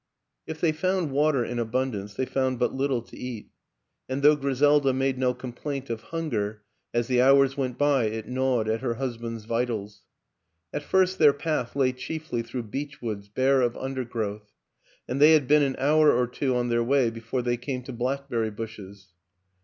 If they found water in abundance, they found but little to eat; and though Griselda made no complaint of hunger, as the hours went by it gnawed at her husband's vitals. At first their path lay chiefly through beechwoods bare of un dergrowth, and they had been an hour or two on their way before they came to blackberry bushes.